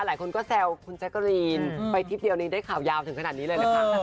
หลายคนก็แซวคุณแจ๊กกะรีนไปทริปเดียวนี้ได้ข่าวยาวถึงขนาดนี้เลยนะคะ